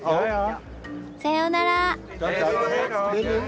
さようなら。